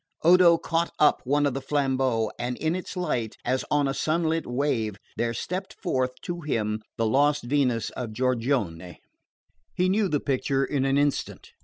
Odo caught up one of the flambeaux, and in its light, as on a sunlit wave, there stepped forth to him the lost Venus of Giorgione. He knew the picture in an instant.